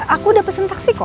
aku udah pesen taksi kok